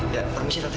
ya permisi tante